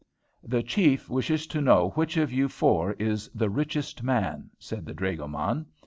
"The chief wishes to know which of you four is the richest man?" said the dragoman.